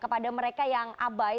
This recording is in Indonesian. kepada mereka yang abai